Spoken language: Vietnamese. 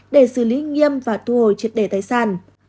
để xử lý nghiêm và thu hồi triệt đề tài sản